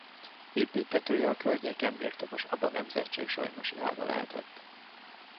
Építtetője a környéken birtokos Aba nemzetség Solymosi ága lehetett.